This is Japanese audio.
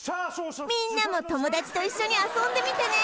みんなも友達と一緒に遊んでみてね！